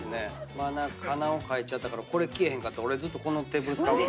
マナカナを描いたからこれ消えへんかったら俺ずっとこのテーブル使う。